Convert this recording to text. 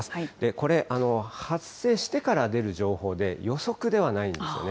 これ、発生してから出る情報で、予測ではないんですよね。